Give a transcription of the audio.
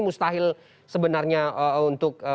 mustahil sebenarnya untuk